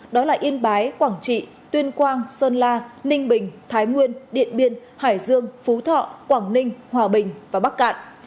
đó là yên bái quảng trị tuyên quang sơn la ninh bình thái nguyên điện biên hải dương phú thọ quảng ninh hòa bình và bắc cạn